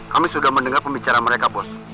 kami sudah mendengar pembicaraan mereka bos